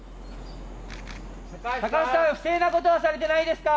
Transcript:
高橋さん、不正なことはされてないですか。